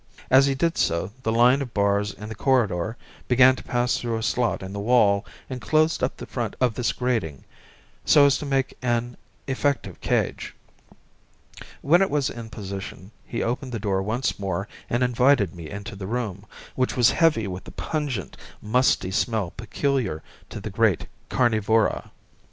As he did so the line of bars in the corridor began to pass through a slot in the wall and closed up the front of this grating, so as to make an effective cage. When it was in position he opened the door once more and invited me into the room, which was heavy with the pungent, musty smell peculiar to the great carnivora.